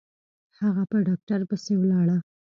هغه په ډاکتر پسې ولاړه.